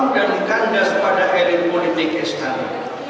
dan kandas pada erit politik istana